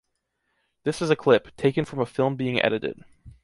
This is a clip, taken from a film being edited.